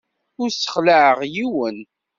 Ur ssexlaɛeɣ yiwen.